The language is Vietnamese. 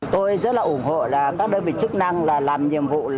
tôi rất là ủng hộ các đơn vị chức năng làm nhiệm vụ